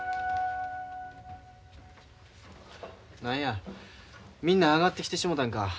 何やみんな上がってきてしもたんか。